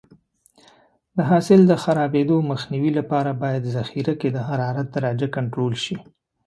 د حاصل د خرابېدو مخنیوي لپاره باید ذخیره کې د حرارت درجه کنټرول شي.